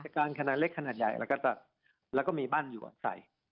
การขนาดเล็กขนาดใหญ่แล้วก็ตัดแล้วก็มีบ้านอยู่อาศัย